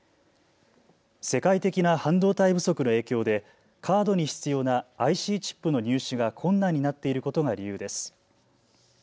世界的な半導体不足の影響でカードに必要なＩＣチップの入手が困難になっていることが理由です。